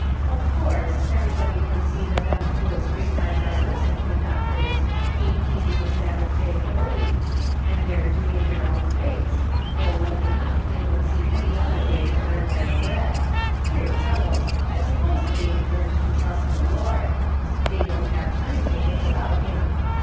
Of course, anybody can see that them poor street car drivers and conductors ain't keep ing the Sabbath day holy ; and they're doing their own ways, though like enough they don't see any other way to earn their bread ; poor fellows, I suppose they ain't learned to trust the Lord ; they don't have time to think about him.